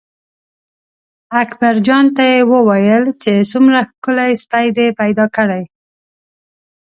اکبرجان ته یې وویل چې څومره ښکلی سپی دې پیدا کړی.